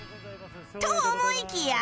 と思いきや